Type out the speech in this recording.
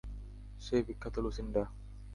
সেই বিখ্যাত লুসিন্ডা।